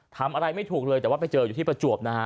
ทำอะไรไม่ถูกเลยแต่ว่าไปเจออยู่ที่ประจวบนะฮะ